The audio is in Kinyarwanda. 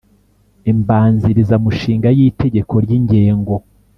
Imbanzirizamushinga y itegeko ry ingengo